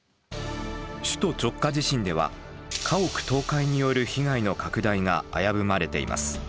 首都直下地震では家屋倒壊による被害の拡大が危ぶまれています。